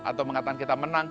atau mengatakan kita menang